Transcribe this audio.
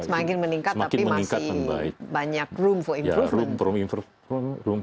semakin meningkat tapi masih banyak room for improvement